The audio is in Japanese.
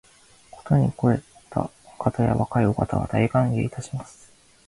ことに肥ったお方や若いお方は、大歓迎いたします